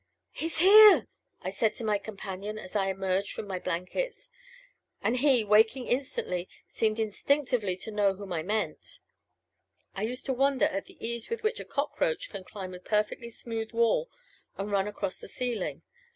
"He's here!" I said to my companion as I emerged from my blankets; and he, waking instantly, seemed instinctively to know whom I meant. I used to wonder at the ease with which a cockroach can climb a perfectly smooth wall and run across the ceiling.